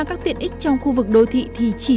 các tiện ích trong khu vực đô thị thì chỉ